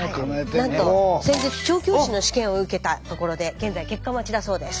なんと先日調教師の試験を受けたところで現在結果待ちだそうです。